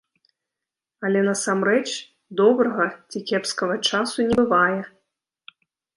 Але насамрэч добрага ці кепскага часу не бывае.